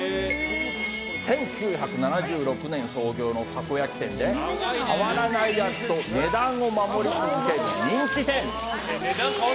１９７６年創業のたこ焼き店で変わらない味と値段を守り続ける人気店。